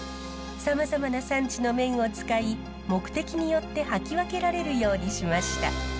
さまざまな産地の綿を使い目的によって履き分けられるようにしました。